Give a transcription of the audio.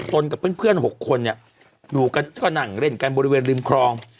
ตนกับเพื่อนเพื่อนหกคนเนี่ยอยู่กันกระหนังเล่นกันบริเวณริมครอง